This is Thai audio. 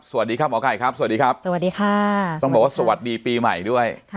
สวัสดีครับหมอไก่ครับสวัสดีครับสวัสดีค่ะต้องบอกว่าสวัสดีปีใหม่ด้วย